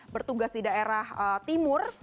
bertugas di daerah timur